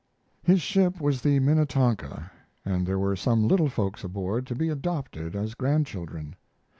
His ship was the Minnetonka, and there were some little folks aboard to be adopted as grandchildren.